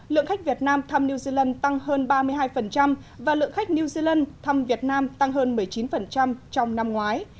lượng khách việt nam thăm new zealand tăng hơn ba mươi hai và lượng khách new zealand thăm việt nam tăng hơn một mươi chín trong năm ngoái